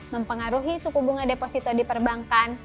mempengaruhi suku bunga deposito di perbankan